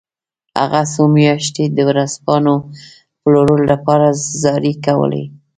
هغه څو میاشتې د ورځپاڼو پلورلو لپاره زارۍ کولې